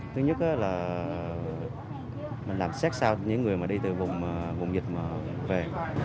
thứ nhất là mình làm xét sao những người mà đi từ vùng dịch mà về